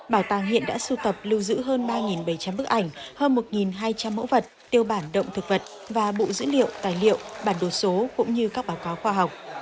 bảo tàng hiện đã sưu tập lưu giữ hơn ba bảy trăm linh bức ảnh hơn một hai trăm linh mẫu vật tiêu bản động thực vật và bộ dữ liệu tài liệu bản đồ số cũng như các báo cáo khoa học